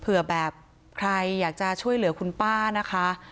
เผื่อแบบใครอยากจะช่วยเหลือคุณป้านะคะ